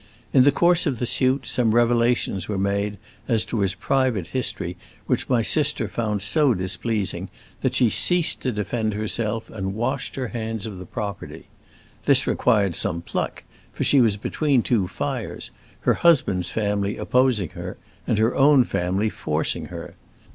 In the course of the suit some revelations were made as to his private history which my sister found so displeasing that she ceased to defend herself and washed her hands of the property. This required some pluck, for she was between two fires, her husband's family opposing her and her own family forcing her.